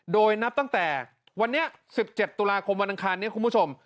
โดยนับตั้งแต่วันนี้๑๗ตุลาคมวันอังคารนี้คุณผู้ชม